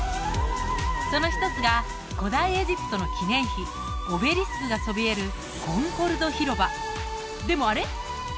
その一つが古代エジプトの記念碑オベリスクがそびえるコンコルド広場でもあれ？